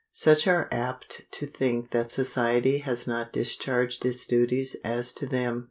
Such are apt to think that society has not discharged its duties as to them.